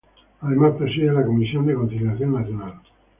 Además, preside la Comisión de Conciliación Nacional.